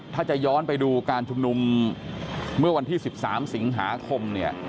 ถ้าจะย้อนไปดูการชุมนุมเมื่อวันที่๑๓สิงหาคมเนี่ย